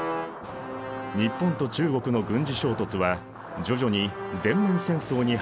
日本と中国の軍事衝突は徐々に全面戦争に発展していった。